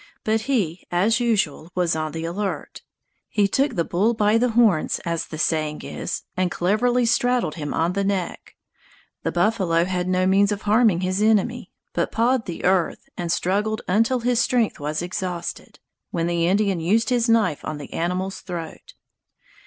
But he, as usual, was on the alert. He "took the bull by the horns", as the saying is, and cleverly straddled him on the neck. The buffalo had no means of harming his enemy, but pawed the earth and struggled until his strength was exhausted, when the Indian used his knife on the animal's throat.